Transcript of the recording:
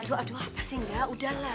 aduh aduh apa sih enggak udahlah